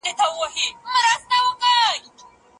ماشوم ته سمه روزنه ورکړئ.